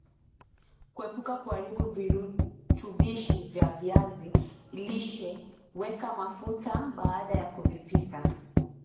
Kuepuka kuharibu virutubishi vya viazi lishe weka mafuta baada ya kuvipika